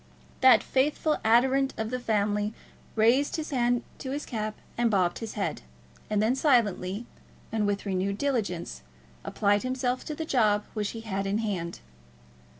That faithful adherent of the family raised his hand to his cap and bobbed his head, and then silently, and with renewed diligence, applied himself to the job which he had in hand.